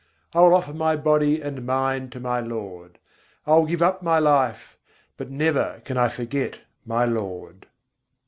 I will offer my body and mind to my Lord: I will give up my life, but never can I forget my Lord!